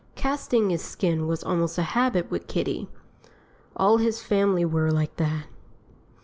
Casting his skin was almost a habit with Kiddie. All his family were like that.